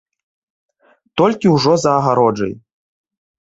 Толькі ўжо за агароджай.